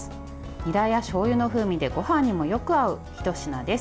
にらやしょうゆの風味でごはんにもよく合うひと品です。